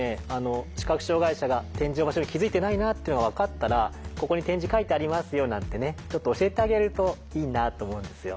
視覚障害者が点字の場所に気付いてないなっていうのが分かったら「ここに点字書いてありますよ」なんてねちょっと教えてあげるといいなと思うんですよ。